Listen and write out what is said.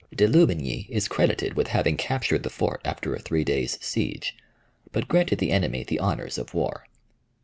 De Louvigny is credited with having captured the fort after a three days' siege, but granted the enemy the honors of war.